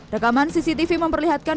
rekaman cctv memperlihatkan